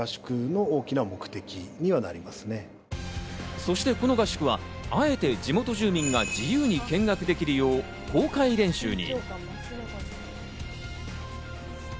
そしてこの合宿は、あえて地元住民が自由に見学できるよう公開練習に。